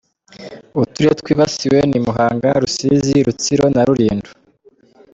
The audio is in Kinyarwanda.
Uturere twibasiwe ni Muhanga, Rusizi, Rutsiro na Rulindo.